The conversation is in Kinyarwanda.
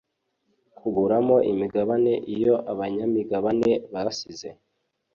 kuguramo imigabane iyo abanyamigabane basize